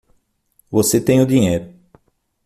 Você tem o dinheiro.